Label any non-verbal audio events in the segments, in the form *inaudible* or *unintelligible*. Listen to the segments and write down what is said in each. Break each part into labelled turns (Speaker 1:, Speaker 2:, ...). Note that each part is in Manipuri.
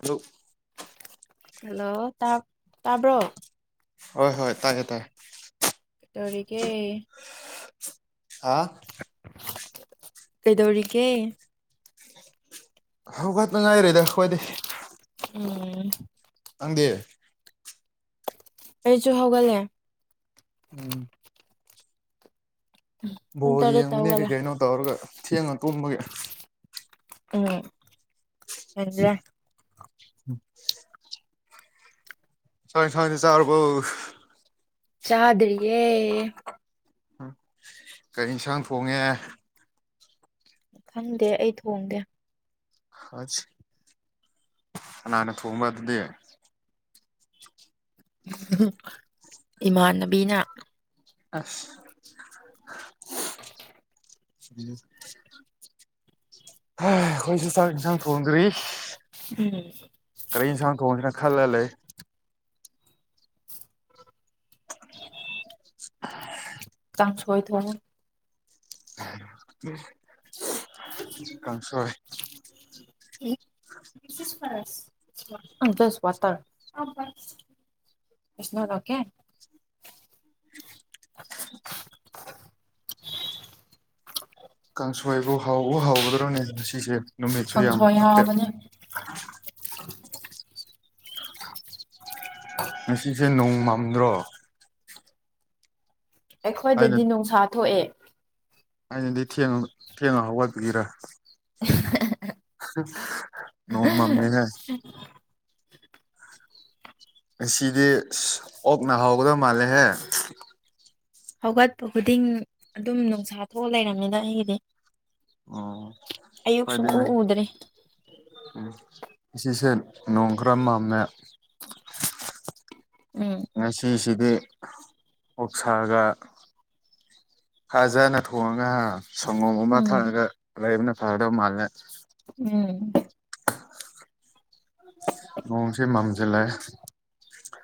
Speaker 1: ꯑꯗꯨ
Speaker 2: ꯍꯜꯂꯣ ꯇꯥ ꯇꯥꯕ꯭ꯔꯣ
Speaker 1: ꯍꯣꯏ ꯍꯣꯏ ꯇꯥꯏꯌꯦ ꯇꯥꯏꯌꯦ
Speaker 2: ꯇꯧꯔꯤꯒꯦ
Speaker 1: ꯍꯥ
Speaker 2: ꯀꯩꯗꯧꯔꯤꯒꯦ
Speaker 1: ꯍꯧꯒꯠꯅ ꯉꯥꯏꯔꯤꯗ ꯑꯩꯈꯣꯏꯗꯤ
Speaker 2: ꯎꯝ
Speaker 1: ꯅꯪꯗꯤ
Speaker 2: ꯑꯩꯁꯨ ꯍꯧꯒꯂꯦ
Speaker 1: ꯎꯝ
Speaker 2: ꯄꯨꯡ
Speaker 1: ꯕꯣꯜ
Speaker 2: ꯇꯔꯦꯠꯇ
Speaker 1: ꯌꯦꯡꯕꯅꯦ ꯀꯩ
Speaker 2: ꯍꯧꯒꯠꯂꯦ
Speaker 1: ꯀꯩꯅꯣ ꯇꯧꯔꯒ ꯊꯦꯡꯉ ꯇꯨꯝꯕꯒꯤ
Speaker 2: ꯎꯝ *unintelligible*
Speaker 1: ꯎꯝ ꯆꯥꯛ ꯏꯟꯁꯥꯡꯗꯤ ꯆꯥꯔꯕꯣ
Speaker 2: ꯆꯥꯗ꯭ꯔꯤꯌꯦ
Speaker 1: ꯀꯩ ꯌꯦꯟꯁꯥꯡ ꯊꯣꯡꯉꯦ
Speaker 2: ꯈꯪꯗꯦ ꯑꯩ ꯊꯣꯡꯗꯦ
Speaker 1: ꯑꯁ ꯀꯅꯥꯅ ꯊꯣꯡꯕ ꯑꯗꯨꯗꯤ
Speaker 2: ꯏꯃꯥꯟꯅꯕꯤꯅ
Speaker 1: ꯑꯁ *unintelligible* ꯍꯥ ꯑꯩꯈꯣꯏꯁꯨ ꯆꯥꯡ ꯏꯟꯁꯥꯡ ꯊꯣꯡꯗ꯭ꯔꯤ
Speaker 2: ꯎꯝ
Speaker 1: ꯀꯔꯤ ꯌꯦꯟꯁꯥꯡ ꯊꯣꯡꯁꯤꯂ ꯈꯜꯂꯒ ꯂꯩ *unintelligible*
Speaker 2: ꯀꯥꯡꯁꯣꯏ ꯊꯣꯡꯉꯣ
Speaker 1: ꯀꯥꯡꯁꯣꯏ
Speaker 2: ꯎꯝ ꯖꯁ ꯋꯥꯇꯔ *unintelligible*
Speaker 1: *unintelligible* ꯀꯥꯡꯁꯣꯏꯕꯨ ꯍꯥꯎꯕꯨ ꯍꯥꯎꯒꯗ꯭ꯔꯣꯅꯦ ꯉꯁꯤꯁꯦ ꯅꯨꯃꯤꯠꯁꯨ ꯌꯥꯝ
Speaker 2: ꯀꯥꯡꯁꯣꯏ
Speaker 1: ꯐꯠꯇꯦ
Speaker 2: ꯍꯥꯎꯕꯅꯦ
Speaker 1: ꯉꯁꯤꯁꯦ ꯅꯣꯡꯃꯝꯗ꯭ꯔꯣ ꯑꯩꯅ
Speaker 2: ꯑꯩꯈꯣꯏꯗꯗꯤ ꯅꯨꯡꯁꯥ ꯊꯣꯛꯑꯦ
Speaker 1: ꯑꯩꯅꯗꯤ ꯊꯦꯡ ꯊꯦꯡꯅ ꯍꯧꯒꯠꯄꯒꯤꯔꯥ
Speaker 2: *unintelligible*
Speaker 1: ꯅꯣꯡ ꯃꯝꯃꯦ ꯍꯦ ꯑꯁꯤꯗꯤ ꯑꯣꯛꯅ ꯍꯥꯎꯒꯗꯧ ꯃꯥꯜꯂꯦꯍꯦ
Speaker 2: ꯍꯧꯒꯠꯄ ꯈꯨꯗꯤꯡ ꯑꯗꯨꯝ ꯅꯨꯡꯁꯥ ꯊꯣꯛꯑ ꯂꯩꯔꯝꯃꯦꯗ ꯑꯩꯒꯤꯗꯤ
Speaker 1: ꯑꯣ
Speaker 2: ꯑꯌꯨꯛ
Speaker 1: ꯍꯣꯏ
Speaker 2: ꯁꯨꯡ ꯎ
Speaker 1: ꯑꯗꯨꯅꯦ
Speaker 2: ꯎꯗ꯭ꯔꯤ
Speaker 1: ꯎꯝ ꯉꯁꯤꯁꯦ ꯅꯣꯡ ꯈꯔ ꯃꯝꯃꯦ
Speaker 2: ꯎꯝ
Speaker 1: ꯉꯁꯤꯁꯤꯗꯤ ꯑꯣꯛꯁꯥꯒ ꯐꯥꯖꯅ ꯊꯣꯡꯉꯒ ꯁꯪꯒꯣꯝꯒꯨꯝꯕ
Speaker 2: ꯎꯝ
Speaker 1: ꯊꯛꯑꯒ ꯂꯩꯕꯅ ꯐꯗꯕ ꯃꯥꯜꯂꯦ
Speaker 2: ꯎꯝ
Speaker 1: ꯅꯣꯡꯁꯦ ꯃꯝꯖꯜꯂꯦ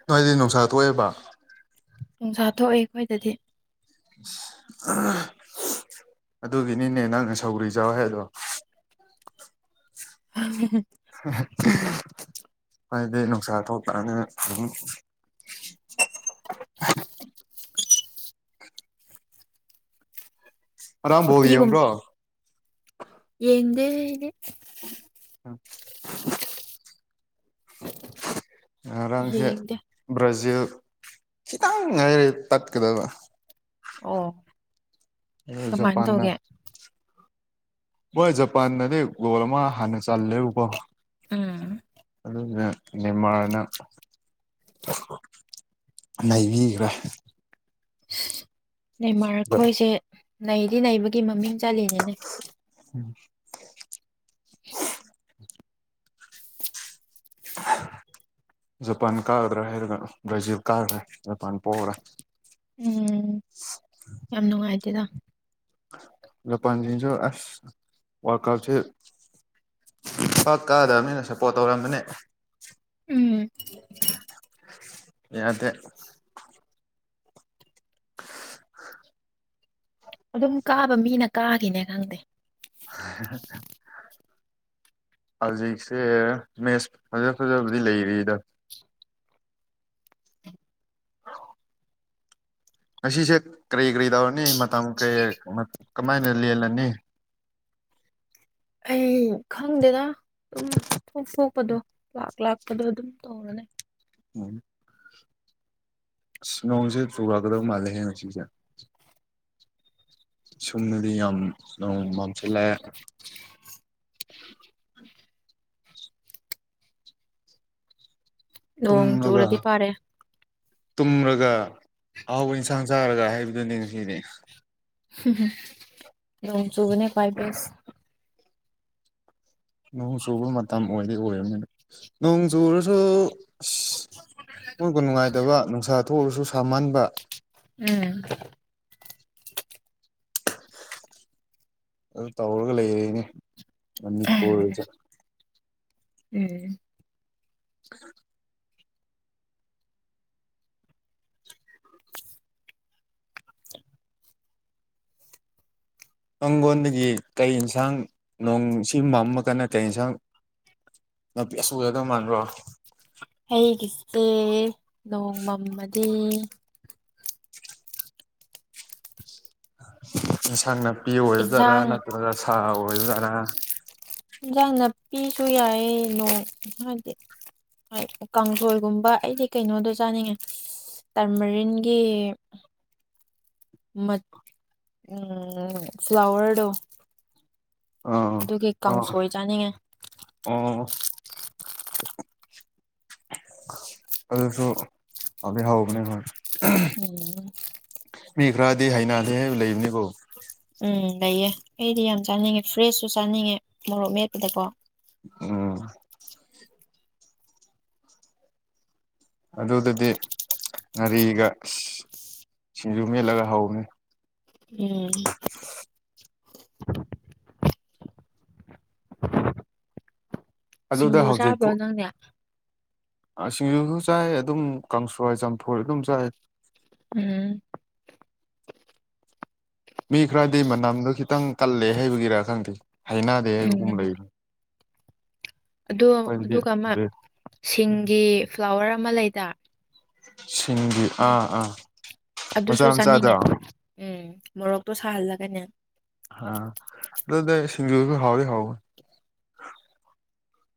Speaker 1: ꯅꯣꯏꯗꯤ ꯅꯨꯡꯁꯥ ꯊꯣꯛꯑꯦꯕ
Speaker 2: ꯅꯨꯡꯁꯥ ꯊꯣꯛꯑꯦ ꯑꯈꯣꯏꯗꯗꯤ
Speaker 1: ꯑꯗꯨꯒꯤꯅꯤꯅꯦ ꯅꯪꯅ ꯁꯧꯒ꯭ꯔꯤ ꯆꯥꯎ ꯍꯥꯏꯗꯣ
Speaker 2: *unintelligible*
Speaker 1: ꯍꯥꯏꯗꯤ ꯅꯨꯡꯁꯥ ꯊꯣꯛꯄꯅ ꯑꯗꯨꯝ *unintelligible* ꯉꯔꯥꯡ ꯕꯣꯜ
Speaker 2: ꯎꯇꯤꯒꯨꯝ
Speaker 1: ꯌꯦꯡꯕ꯭ꯔꯣ
Speaker 2: ꯌꯦꯡꯗꯦ ꯍꯦ ꯑꯩꯗꯤ
Speaker 1: *unintelligible* ꯉꯔꯥꯡꯁꯦ
Speaker 2: ꯌꯦꯡꯗꯦ
Speaker 1: ꯕ꯭ꯔꯥꯖꯤꯜ ꯈꯤꯇꯪ ꯉꯥꯏꯔꯦ ꯇꯠꯀꯗꯕ
Speaker 2: ꯑꯣ
Speaker 1: *unintelligible*
Speaker 2: ꯀꯃꯥꯏꯅ
Speaker 1: ꯖꯄꯟꯅ
Speaker 2: ꯇꯧꯒꯦ
Speaker 1: ꯃꯣꯏ ꯖꯄꯥꯟꯗꯗꯤ ꯒꯣꯜ ꯑꯃ ꯍꯥꯟꯅ ꯆꯜꯂꯦꯕꯀꯣ
Speaker 2: ꯎꯝ
Speaker 1: ꯑꯗꯨꯅ ꯅꯦꯃꯥꯔꯅ ꯅꯩꯕꯤꯒ꯭ꯔꯦ
Speaker 2: ꯅꯦꯃꯔ ꯈꯣꯏꯁꯦ ꯅꯩꯗꯤ ꯅꯩꯕꯒꯤ ꯃꯃꯤꯡ ꯆꯠꯂꯤꯅꯦ
Speaker 1: *inaudible*
Speaker 2: *inaudible*
Speaker 1: ꯖꯄꯥꯟ ꯀꯥꯒꯗ꯭ꯔꯥ ꯍꯥꯏꯔꯒ ꯕ꯭ꯔꯥꯖꯤꯜ ꯀꯥꯒ꯭ꯔꯦ ꯖꯄꯥꯟ ꯄꯣꯔꯦ
Speaker 2: ꯎꯝ ꯌꯥꯝ ꯅꯨꯡꯉꯥꯏꯇꯦꯗ
Speaker 1: ꯖꯄꯥꯟꯁꯤꯡꯁꯨ ꯑꯁ ꯋꯥꯥꯜꯀꯞꯁꯦ ꯄꯥꯛ ꯀꯥꯗꯕꯅꯤꯅ ꯁꯞꯄꯣꯔꯠ ꯇꯧꯔꯝꯕꯅꯦ
Speaker 2: ꯎꯝ
Speaker 1: ꯌꯥꯗꯦ
Speaker 2: ꯑꯗꯨꯝ ꯀꯥꯕ ꯃꯤꯅ ꯀꯥꯒꯤꯅꯦ ꯈꯪꯗꯦ
Speaker 1: *inaudible* ꯍꯧꯖꯤꯛꯁꯦ ꯃꯦꯁ ꯐꯖ ꯐꯖꯕꯗꯤ ꯂꯩꯔꯤꯗ *unintelligible* ꯉꯁꯤꯁꯦ ꯀꯔꯤ ꯀꯔꯤ ꯇꯧꯔꯅꯤ ꯃꯇꯝ ꯀꯔꯤ ꯀꯃꯥꯏꯅ ꯂꯦꯜꯂꯅꯤ
Speaker 2: ꯑꯩ ꯈꯪꯗꯦꯗ ꯗꯨꯝ ꯊꯣꯛ ꯊꯣꯛꯄꯗꯣ ꯂꯥꯛ ꯂꯥꯛꯄꯗꯣ ꯑꯗꯨꯝ ꯇꯧꯔ ꯂꯩ
Speaker 1: *unintelligible* ꯏꯁ ꯅꯣꯡꯖꯦ ꯆꯨꯔꯛꯒꯗꯧ ꯃꯥꯜꯂꯦꯍꯦ ꯉꯥꯁꯤꯖꯦ ꯁꯨꯝꯗꯗꯤ ꯌꯥꯝ ꯅꯣꯡ ꯃꯝꯁꯤꯜꯂꯦ
Speaker 2: *inaudible* ꯅꯣꯡ
Speaker 1: ꯇꯨꯝꯔꯒ
Speaker 2: ꯆꯨꯔꯗꯤ ꯐꯔꯦ
Speaker 1: ꯇꯨꯝꯔꯒ ꯑꯍꯥꯎꯕ ꯏꯟꯁꯥꯡ ꯆꯥꯔꯒ ꯍꯥꯏꯕꯗꯨꯅꯤ ꯉꯁꯤꯗꯤ
Speaker 2: ꯅꯣꯡ ꯆꯨꯕꯅ ꯈꯋꯥꯏ ꯕꯦꯁ
Speaker 1: ꯅꯣꯡ ꯆꯨꯕ ꯃꯇꯝ ꯑꯣꯏꯗꯤ ꯑꯣꯏꯔꯝꯅꯤꯕ ꯅꯣꯡ ꯆꯨꯔꯁꯨ ꯑꯁ ꯑꯃꯨꯛꯀ ꯅꯨꯡꯉꯥꯏꯇꯕ ꯅꯨꯡꯁꯥ ꯊꯣꯛꯂꯁꯨ ꯁꯃꯟꯟꯕ
Speaker 2: ꯎꯝ
Speaker 1: ꯑꯗꯨ ꯇꯧꯔꯒ ꯂꯩꯔꯦꯅꯦ ꯃꯅꯤꯄꯨꯔꯖꯦ
Speaker 2: ꯎꯝ
Speaker 1: *unintelligible* ꯃꯪꯒꯣꯟꯗꯒꯤ ꯀꯩ ꯌꯦꯟꯁꯥꯡ ꯅꯣꯡꯁꯤ ꯃꯝꯃ ꯒꯅ ꯀꯩ ꯌꯦꯟꯁꯥꯡ ꯅꯥꯄꯤ ꯑꯁꯨ ꯎꯒꯗꯧ ꯃꯥꯟꯕ꯭ꯔꯣ
Speaker 2: ꯑꯩꯒꯤꯁꯤꯗꯥ ꯅꯣꯡꯃꯝꯃꯗꯤ
Speaker 1: ꯏꯟꯁꯥꯡ ꯅꯥꯄꯤ ꯑꯣꯏꯔꯗꯔꯥ
Speaker 2: ꯏꯟꯁꯥꯡ
Speaker 1: ꯅꯠꯇ꯭ꯔꯒ ꯁꯥ ꯑꯣꯏꯒꯗꯔꯥ
Speaker 2: ꯏꯟꯁꯥꯡ ꯅꯥꯄꯤꯁꯨ ꯌꯥꯏꯑꯦ ꯅꯣꯡ ꯍꯥꯏꯗꯤ ꯍꯣꯏ ꯀꯥꯡꯁꯣꯏꯒꯨꯝꯕ ꯑꯩꯗꯤ ꯀꯩꯅꯣꯗꯣ ꯆꯥꯅꯤꯡꯉꯦ ꯇꯔꯃꯔꯤꯟꯒꯤ ꯃꯠ ꯐ꯭ꯂ꯭ꯥꯋꯔꯗꯣ
Speaker 1: ꯑꯥ
Speaker 2: ꯑꯗꯨꯒꯤ
Speaker 1: ꯑꯣ
Speaker 2: ꯀꯥꯡꯁꯣꯏ ꯆꯥꯅꯤꯡꯉꯦ
Speaker 1: ꯑꯣ ꯑꯗꯨꯁꯨ ꯍꯥꯎꯗꯤ ꯍꯥꯎꯕꯅꯦ ꯗꯨꯝ
Speaker 2: *unintelligible*
Speaker 1: ꯃꯤ ꯈ꯭ꯔꯥꯗꯤ ꯍꯥꯏꯅꯗꯦ ꯍꯥꯏꯕ ꯂꯩꯕꯅꯦꯀꯣ
Speaker 2: ꯎꯝ ꯂꯩꯌꯦ ꯑꯩꯗꯤ ꯌꯥꯝ ꯆꯥꯅꯤꯡꯉꯦ ꯐ꯭ꯔꯦꯁꯁꯨ ꯆꯥꯅꯤꯡꯉꯦ ꯃꯣꯔꯣꯛ ꯃꯦꯠꯄꯗꯀꯣ
Speaker 1: ꯎꯝ ꯑꯗꯨꯗꯗꯤ ꯉꯥꯔꯤꯒ ꯁꯤꯡꯖꯨ ꯃꯦꯠꯂꯒ ꯍꯧꯕꯅꯤ
Speaker 2: ꯎꯝ
Speaker 1: ꯑꯗꯨꯗ
Speaker 2: ꯁꯤꯡꯖꯨ
Speaker 1: ꯍꯧꯖꯤꯛ
Speaker 2: ꯆꯥꯕ꯭ꯔꯣ ꯅꯪꯗꯤ
Speaker 1: ꯑ ꯁꯤꯡꯖꯨꯁꯨ ꯆꯥꯏ ꯑꯗꯨꯝ ꯀꯥꯡꯁꯣꯏ ꯆꯝꯐꯨꯠ ꯑꯗꯨꯝ ꯆꯥꯏ
Speaker 2: ꯎꯝ
Speaker 1: ꯃꯤ ꯈꯔꯗꯤ ꯃꯅꯝꯗꯣ ꯈꯤꯇꯪ ꯀꯜꯂꯦ ꯍꯥꯏꯕꯒꯤꯔꯥ ꯈꯪꯗꯦ ꯍꯩꯏꯅꯗꯦ ꯍꯥꯏꯕꯒꯨꯝ ꯂꯩꯕ
Speaker 2: ꯑꯗ ꯑꯗꯨꯒ ꯑꯃ
Speaker 1: ꯕꯦ
Speaker 2: ꯁꯤꯡꯒꯤ ꯐ꯭ꯂꯥꯋꯔ ꯑꯃ ꯂꯩꯗ
Speaker 1: ꯁꯤꯡꯒꯤ ꯑꯥ ꯑꯥ
Speaker 2: ꯑꯗꯨꯁꯨ
Speaker 1: ꯃꯆꯥ
Speaker 2: ꯆꯥꯅꯤꯡꯉꯦ
Speaker 1: ꯃꯆꯥꯗꯣ
Speaker 2: ꯎꯝ ꯃꯣꯔꯣꯛꯇꯣ ꯁꯥꯍꯜꯂꯒꯅꯦ
Speaker 1: ꯍꯥ ꯑꯗꯨꯗ ꯁꯤꯡꯖꯨꯁꯨ ꯍꯥꯎꯗꯤ ꯍꯥꯎꯕ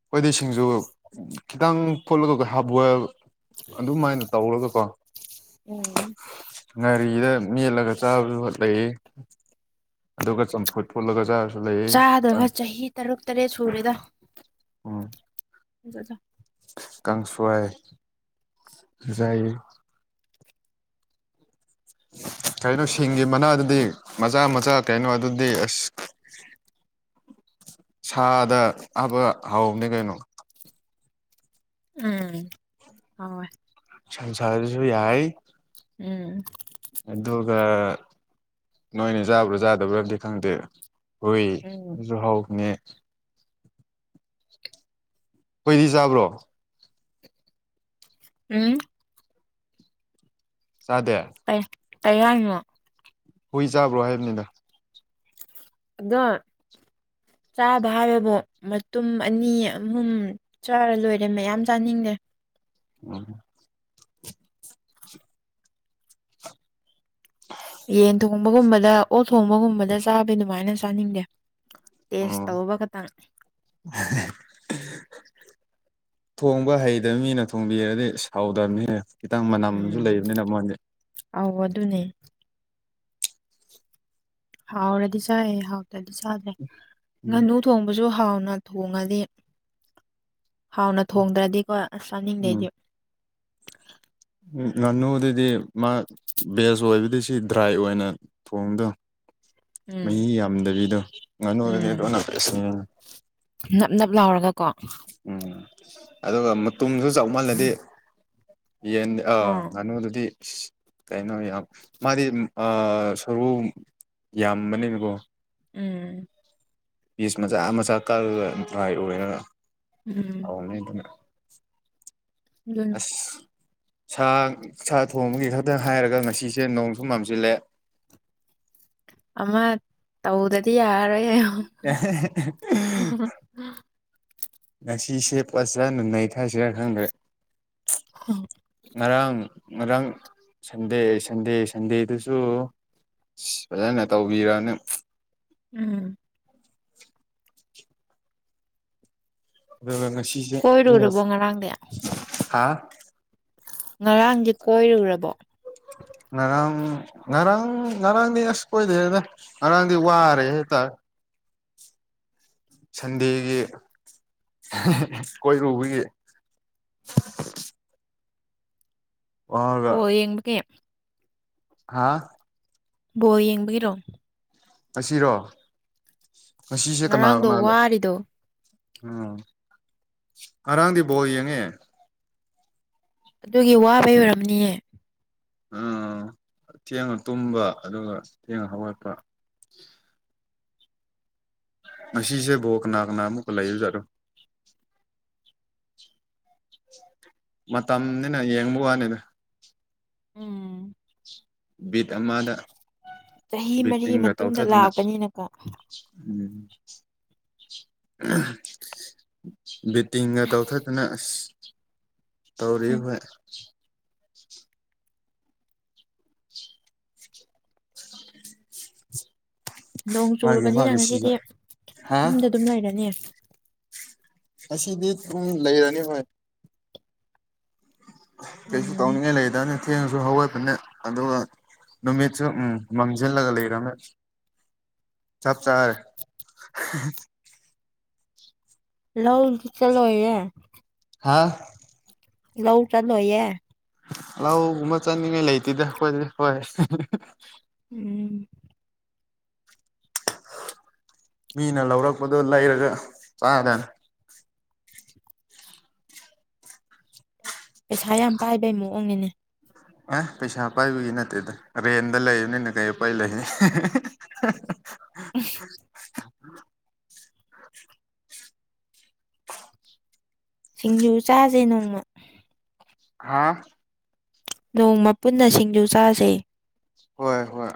Speaker 1: ꯑꯩꯈꯣꯏꯗꯤ ꯁꯤꯡꯖꯨ ꯈꯤꯇꯪ ꯐꯣꯠꯂꯒ ꯍꯥꯞ ꯕꯣꯜ ꯑꯗꯨꯝꯃꯥꯏꯅ ꯇꯧꯔꯒꯀꯣ
Speaker 2: ꯎꯝ
Speaker 1: ꯉꯥꯔꯤꯗ ꯃꯦꯠꯂꯒ ꯆꯥꯕꯗꯨ ꯂꯩꯑꯦ ꯑꯗꯨꯒ ꯆꯝꯐꯨꯠ ꯐꯨꯜꯒ ꯆꯥꯔꯥꯁꯨ ꯂꯩꯪꯑꯦ
Speaker 2: ꯆꯥꯗꯕ ꯆꯍꯤ ꯇꯔꯨꯛ ꯇꯔꯦꯠ ꯁꯨꯔꯦꯗ
Speaker 1: ꯎꯝ
Speaker 2: *unintelligible* ꯖꯥ
Speaker 1: ꯀꯥꯡꯁꯣꯏ ꯉꯥꯁꯥꯏ ꯀꯩꯅꯣ ꯁꯤꯡꯒꯤ ꯃꯅꯥꯗꯨꯗꯤ ꯃꯆꯥ ꯃꯆꯥ ꯀꯩꯅꯣ ꯑꯗꯨꯗꯤ ꯑꯁ ꯁꯥꯗ ꯍꯥꯞꯄ ꯍꯥꯎꯕꯅꯦ ꯀꯩꯅꯣ
Speaker 2: ꯎꯝ ꯍꯥꯎꯑꯦ
Speaker 1: ꯁꯟꯁꯥꯗꯨꯁꯨ ꯌꯥꯏ
Speaker 2: ꯎꯝ
Speaker 1: ꯑꯗꯨꯒ ꯅꯣꯏꯅ ꯆꯥꯕ꯭ꯔꯥ ꯌꯥꯥꯗꯕ꯭ꯔꯕꯗꯤ ꯈꯪꯗꯦ
Speaker 2: ꯎꯝ
Speaker 1: ꯍꯣꯏꯁꯨ ꯍꯥꯎꯅꯦ ꯍꯨꯏꯗꯤ ꯆꯥꯕ꯭ꯔꯣ
Speaker 2: ꯎꯝ
Speaker 1: ꯆꯥꯗꯦ
Speaker 2: ꯀꯩ ꯀꯩꯍꯥꯏꯅꯣ
Speaker 1: ꯍꯨꯏ ꯆꯥꯕ꯭ꯔꯣ ꯍꯥꯏꯕꯅꯤꯗ
Speaker 2: ꯑꯗꯣ ꯆꯥꯕ ꯍꯥꯏꯕ ꯍꯥꯏꯔꯒ ꯃꯇꯨꯝ ꯑꯅꯤ ꯑꯍꯨꯝ ꯆꯥꯔ ꯂꯣꯏꯔꯦ ꯃꯌꯥꯝ ꯆꯥꯅꯤꯡꯗꯦ
Speaker 1: ꯎꯝ
Speaker 2: ꯌꯦꯟ ꯊꯣꯡꯕꯒꯨꯝꯕꯗ ꯑꯣꯠ ꯊꯣꯡꯕꯒꯨꯝꯕꯗ ꯆꯥꯕ ꯑꯗꯨꯃꯥꯏꯅ ꯆꯥꯅꯤꯡꯗꯦ ꯇꯦꯁ
Speaker 1: ꯎꯝ
Speaker 2: ꯇꯧꯕ ꯈꯇꯪ
Speaker 1: *unintelligible* ꯊꯣꯡꯕ ꯍꯩꯇꯕ ꯃꯤꯅ ꯊꯣꯡꯕꯤꯔꯗꯤ ꯏꯁ ꯍꯥꯎꯇꯝꯅꯤꯍꯦ ꯈꯤꯇꯪ ꯃꯅꯝꯖꯄ
Speaker 2: ꯎꯝ
Speaker 1: ꯂꯩꯕꯅꯤꯅ ꯃꯣꯏꯗꯤ
Speaker 2: ꯑꯧ ꯑꯗꯨꯅꯦ ꯍꯥꯎꯔꯗꯤ ꯆꯥꯏ ꯍꯥꯎꯇ꯭ꯔꯗꯤ ꯆꯥꯗꯦ
Speaker 1: ꯎꯝ
Speaker 2: ꯉꯥꯅꯨ ꯊꯣꯡꯕꯁꯨ ꯍꯥꯎꯅ ꯊꯣꯡꯉꯗꯤ ꯍꯥꯎꯅ ꯊꯣꯡꯗ꯭ꯔꯗꯤꯀꯣ ꯑꯁ ꯆꯥꯅꯤꯡꯗꯦ ꯑꯩꯗꯤ
Speaker 1: ꯉꯥꯅꯨꯗꯗꯤ ꯃꯥ ꯕꯦꯁ ꯑꯣꯏꯕꯗꯤ ꯁꯤ ꯗ꯭ꯔꯥꯏ ꯑꯣꯏꯅ ꯊꯣꯡꯗꯧꯅꯦ
Speaker 2: ꯎꯝ
Speaker 1: ꯃꯍꯤ ꯌꯥꯝꯗꯕꯤꯗꯣ ꯉꯥꯅꯨꯗꯗꯤ
Speaker 2: ꯎꯝ
Speaker 1: ꯑꯗꯨ ꯏꯁ ꯎꯝ
Speaker 2: ꯅꯞ ꯅꯞ ꯂꯥꯎꯔꯒ ꯀꯣ
Speaker 1: ꯎꯝ ꯑꯗꯨꯒ ꯃꯇꯨꯝꯁꯨ ꯆꯥꯎꯃꯜꯂꯗꯤ ꯌꯦꯟ ꯑꯥ ꯉꯥꯅꯨꯗꯨꯗꯤ ꯀꯩꯅꯣ ꯌꯥꯝ ꯃꯥꯗꯤ ꯑꯥ ꯁꯥꯔꯨ ꯌꯥꯝꯕꯅꯤꯅꯀꯣ
Speaker 2: ꯎꯝ
Speaker 1: ꯄꯤꯁ ꯃꯆꯥ ꯃꯆꯥ ꯀꯛꯂꯒꯥꯏ ꯗ꯭ꯔꯥꯏ ꯑꯣꯏꯔꯒ
Speaker 2: ꯎꯝ
Speaker 1: ꯍꯥꯎꯕꯅꯦ ꯑꯗꯨꯅ *unintelligible*
Speaker 2: *unintelligible*
Speaker 1: ꯑꯁ ꯁꯥ ꯁꯥ ꯊꯣꯡꯕꯒꯤ ꯈꯛꯇꯪ ꯍꯥꯏꯔꯒ ꯉꯁꯤꯁꯦ ꯅꯣꯡꯁꯨ ꯃꯥꯝꯁꯤꯜꯂꯦ
Speaker 2: ꯑꯃ ꯇꯧꯗ꯭ꯔꯥꯗꯤ ꯌꯥꯔꯣꯏ
Speaker 1: *unintelligible* ꯉꯁꯤꯁꯦ ꯐꯥꯖꯅ ꯅꯩꯊꯁꯤꯔ ꯈꯪꯗ꯭ꯔꯦ
Speaker 2: ꯍꯝ
Speaker 1: ꯉꯔꯥꯡ ꯉꯔꯥꯡ ꯁꯟꯗꯦ ꯁꯟꯗꯦ ꯁꯟꯗꯦꯗꯨꯁꯨ ꯑꯁ ꯐꯥꯖꯅ ꯇꯧꯕꯤꯔꯝꯅꯦ
Speaker 2: ꯎꯝ
Speaker 1: ꯑꯗꯨꯒ ꯉꯁꯤꯁꯦ
Speaker 2: ꯀꯣꯏꯔꯨꯔꯕꯣ ꯉꯔꯥꯡꯗꯤ
Speaker 1: ꯍꯥ
Speaker 2: ꯉꯔꯥꯡꯗꯤ ꯀꯣꯏꯔꯨꯔꯕꯣ
Speaker 1: ꯉꯔꯥꯡ ꯉꯔꯥꯡ ꯉꯔꯥꯡꯗꯤ ꯑꯁ ꯀꯣꯏꯗꯦꯗ ꯉꯔꯥꯡꯗꯤ ꯋꯥꯔꯦ ꯍꯦꯛꯇ ꯁꯟꯗꯦꯒꯤ ꯀꯣꯏꯔꯨꯕꯒꯤ
Speaker 2: ꯕꯣꯜ
Speaker 1: ꯋꯥꯔꯒ
Speaker 2: ꯌꯦꯡꯕꯒꯤ
Speaker 1: ꯍꯥꯥ
Speaker 2: ꯕꯣꯜ ꯌꯦꯡꯕꯒꯤꯔꯣ
Speaker 1: ꯉꯁꯤꯔꯣ ꯉꯁꯤꯁꯦ ꯀꯅꯥ
Speaker 2: ꯉꯔꯥꯡꯗꯣ
Speaker 1: ꯀꯅꯥ ꯂꯩ
Speaker 2: ꯋꯥꯔꯤꯗꯣ
Speaker 1: ꯎꯝ ꯑꯔꯥꯡꯗꯤ ꯕꯣꯜ ꯌꯦꯡꯉꯦ
Speaker 2: ꯑꯗꯨꯒꯤ ꯋꯥꯕꯩ ꯑꯣꯏꯔꯝꯅꯤꯌꯦ
Speaker 1: ꯎꯝ ꯊꯦꯡꯅ ꯇꯨꯝꯕ ꯑꯗꯨꯒ ꯊꯦꯡꯅ ꯍꯧꯒꯠꯄ ꯉꯁꯤꯁꯦ ꯕꯣꯜ ꯀꯅꯥ ꯀꯅꯥ ꯃꯨꯛꯀ ꯂꯩꯕꯖꯠꯔꯣ ꯃꯇꯝꯅꯤꯅ ꯌꯦꯡꯕ ꯋꯥꯅꯤꯗ
Speaker 2: ꯎꯝ
Speaker 1: ꯕꯤꯠ ꯑꯃꯗ
Speaker 2: ꯆꯍꯤ ꯃꯔꯤ
Speaker 1: ꯕꯤꯠꯇꯤꯡꯒ
Speaker 2: ꯃꯇꯨꯡꯗ
Speaker 1: ꯇꯧꯊꯗꯅ
Speaker 2: ꯂꯥꯛꯄꯅꯤꯅꯀꯣ
Speaker 1: ꯎꯝ ꯕꯤꯠꯇꯤꯡꯒ ꯇꯧꯊꯠꯇꯅ ꯑꯁ ꯇꯧꯔꯤ
Speaker 2: ꯍꯨꯝ
Speaker 1: ꯍꯣꯏ
Speaker 2: ꯅꯣꯡ
Speaker 1: ꯃꯥꯒꯤ
Speaker 2: ꯆꯨꯔꯕꯅꯤꯅ
Speaker 1: ꯃꯥꯒꯤ
Speaker 2: ꯉꯁꯤꯗꯤ
Speaker 1: ꯁꯤꯒ ꯍꯥ
Speaker 2: ꯌꯨꯝꯗ ꯑꯗꯨꯝ ꯂꯩꯔꯅꯤ
Speaker 1: ꯑꯁꯤꯗꯤ ꯁꯨꯝ ꯂꯩꯔꯅꯤ ꯍꯣꯏ ꯀꯩꯁꯨ
Speaker 2: ꯎꯝ
Speaker 1: ꯇꯧꯅꯤꯡꯉꯥꯏ ꯂꯩꯗꯅ ꯊꯦꯡꯉꯁꯨ ꯍꯧꯋꯠꯕꯅꯦ ꯑꯗꯨꯒ ꯅꯨꯃꯤꯠꯁꯨ ꯎꯝ ꯃꯝꯁꯤꯜꯂꯒ ꯂꯩꯔꯕꯝꯃꯦ ꯆꯞ ꯆꯔꯦ
Speaker 2: ꯂꯧ ꯗꯤ ꯆꯂꯣ ꯌꯥ
Speaker 1: ꯍꯥꯥ
Speaker 2: ꯂꯧꯎ ꯁꯠꯜꯣꯌꯦ
Speaker 1: ꯂꯥꯎ ꯒꯨꯝꯕ ꯆꯥꯠ ꯅꯤꯉꯏ ꯂꯩꯇꯦꯗ ꯈꯣꯏꯗꯗꯤ ꯍꯣꯏ
Speaker 2: ꯎꯝ
Speaker 1: ꯃꯤꯅ ꯂꯧꯔꯛꯄꯗꯣ ꯂꯩꯔꯒ ꯆꯥꯒꯗꯅꯤ
Speaker 2: ꯄꯩꯁꯥ ꯌꯥꯝ ꯄꯥꯏꯕꯩ ꯃꯑꯣꯡꯅꯤꯅꯦ
Speaker 1: ꯑꯦ ꯄꯩꯁꯥ ꯄꯥꯏꯕꯒꯤ ꯅꯠꯇꯦꯗ ꯔꯦꯟꯗ ꯂꯩꯕꯅꯤꯅ ꯀꯩ ꯑꯄꯥꯏ ꯂꯩ
Speaker 2: *unintelligible* ꯁꯤꯡꯖꯨ ꯆꯥꯁꯦ ꯅꯣꯡꯃ
Speaker 1: ꯍꯥꯥ
Speaker 2: ꯅꯣꯡꯃ ꯄꯨꯟꯅ ꯁꯤꯡꯖꯨ ꯆꯥꯁꯦ
Speaker 1: ꯍꯣꯏ ꯍꯣꯏ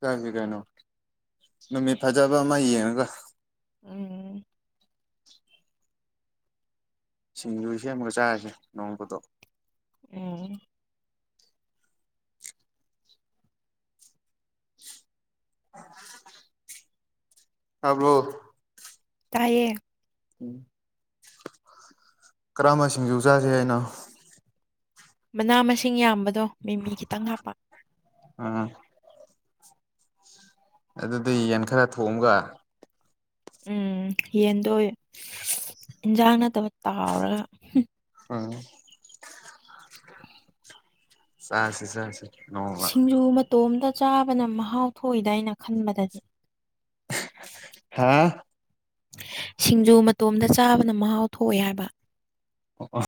Speaker 1: ꯆꯥꯁ‌ꯦ ꯀꯩꯅꯣ ꯅꯨꯃꯤꯠ ꯐꯖꯕ ꯑꯃꯥ ꯌꯦꯡꯉꯒ
Speaker 2: ꯎꯝ
Speaker 1: ꯁꯤꯡꯖꯨ ꯁꯦꯝꯃꯒ ꯆꯥꯔꯁꯦ ꯅꯣꯡꯃꯗꯣ
Speaker 2: ꯎꯝ
Speaker 1: *inaudible* ꯇꯕ꯭ꯔꯣ
Speaker 2: ꯇꯥꯏꯌꯦ
Speaker 1: ꯎꯝ ꯀꯔꯝꯕꯁꯤꯡꯖꯨ ꯆꯥꯁꯦ ꯍꯥꯏꯅꯣ
Speaker 2: ꯃꯅꯥ ꯃꯁꯤꯡ ꯌꯥꯝꯕꯗꯣ ꯃꯤꯃꯤ ꯈꯤꯇꯪ ꯍꯥꯞꯄ
Speaker 1: ꯑꯝ ꯑꯗꯨꯗꯤ ꯌꯦꯟ ꯈꯔ ꯊꯣꯡꯑꯒ
Speaker 2: ꯎꯝ ꯌꯦꯟꯗꯣ ꯏꯟꯁꯥꯡ ꯅꯠꯇꯕ ꯇꯥꯎꯔꯒ
Speaker 1: ꯎꯝ ꯆꯥꯁꯤ ꯆꯥꯁꯤ ꯅꯣꯡꯃ
Speaker 2: ꯁꯤꯡꯖꯨ ꯃꯇꯣꯝꯇ ꯆꯥꯕꯅ ꯃꯍꯥꯎ ꯊꯣꯛꯏꯗꯥꯏꯅ ꯈꯟꯕꯗꯗꯤ
Speaker 1: ꯍꯥꯥ
Speaker 2: ꯁꯤꯡꯖꯨ ꯃꯇꯣꯝꯗ ꯆꯥꯕꯅ ꯃꯍꯥꯎ ꯊꯣꯛꯑꯦ ꯍꯥꯏꯕ
Speaker 1: ꯑꯣ ꯑꯣ